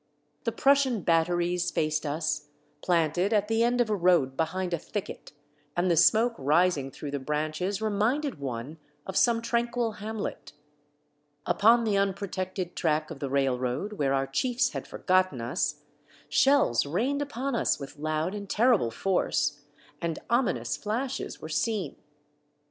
The Prussian batteries faced us, planted at the end of a road behind a thicket, and the smoke rising through the branches reminded one of some tranquil hamlet. Upon the unprotected track of the railroad where our chiefs had forgotten us, shells rained upon us with loud and terrible force, and ominous flashes were seen.